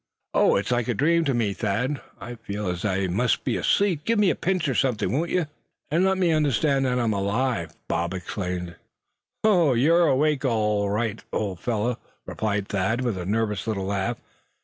"Oh! it's like a dream to me, Thad; I feel as if I must be asleep. Give me a pinch or something, won't you, and let me understand that I'm alive," Bob exclaimed. "You're awake, all right, old fellow," replied Thad, with a nervous little laugh.